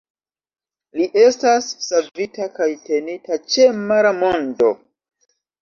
Li estas savita kaj tenita ĉe Mara Mondo.